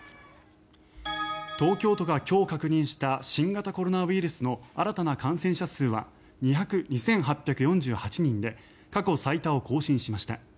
東京都が今日確認した新型コロナウイルスの新たな感染者数は２８４８人で過去最多を更新しました。